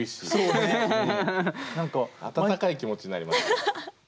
温かい気持ちになります。